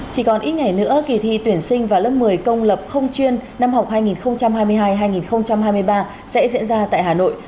chỉ còn ít ngày nữa kỳ thi tuyển sinh vào lớp một mươi công lập không chuyên năm học hai nghìn hai mươi hai hai nghìn hai mươi ba sẽ diễn ra tại hà nội